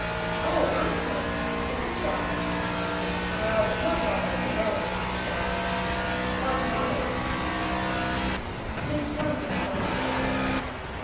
"Oh, uncle! Is it Rock?" "Well, not Rock altogether," laughed he. "Rock's mother, as well." "Please tell me, Uncle Heath."